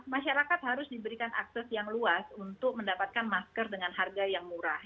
masyarakat harus diberikan akses yang luas untuk mendapatkan masker dengan harga yang murah